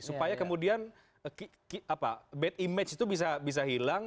supaya kemudian bad image itu bisa hilang